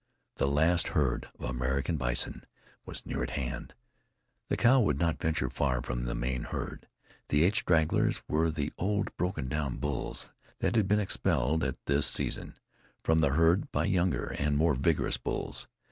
The last herd of American bison was near at hand. The cow would not venture far from the main herd; the eight stragglers were the old broken down bulls that had been expelled, at this season, from the herd by younger and more vigorous bulls.